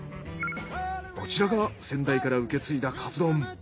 こちらが先代から受け継いだかつ丼。